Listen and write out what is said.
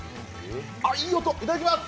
あ、いい音、いただきます！